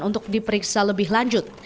untuk diperiksa lebih lanjut